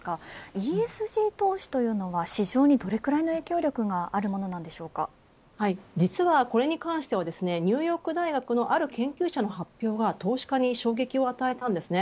ＥＳＧ投資というのは市場にどれほどの影響力が実はこれに関してはニューヨーク大学のある研究者の発表が投資家に衝撃を与えました。